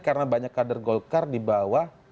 karena banyak kader golkar di bawah